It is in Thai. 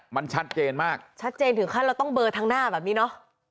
มันชัดเจนมากชัดเจนถึงขั้นเราต้องเบอร์ทางหน้าแบบนี้เนอะ